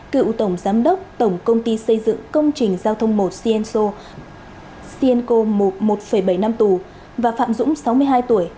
cựu tổng giám đốc tổng công ty xây dựng công trình giao thông một censo sienco một bảy năm tù và phạm dũng sáu mươi hai tuổi